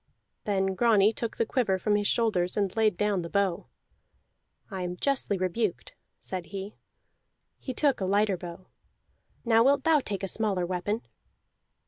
Then Grani took the quiver from his shoulders and laid down the bow. "I am justly rebuked," said he. He took a lighter bow. "Now wilt thou take a smaller weapon?"